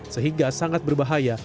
sehingga sangat berbahaya